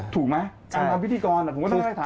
ถูกไหมการทำพิธีกรผมก็ต้องไล่ตาม